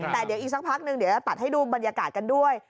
แต่เดี๋ยวอีกสักพักนึงเดี๋ยวจะตัดให้ดูบรรยากาศกันด้วย